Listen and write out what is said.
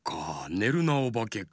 「ねるなおばけ」か。